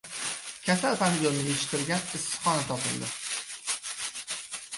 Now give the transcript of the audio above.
«Kasal pomidor»ni yetishtirgan issiqxona topildi